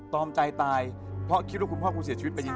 ใจตายเพราะคิดว่าคุณพ่อคุณเสียชีวิตไปจริง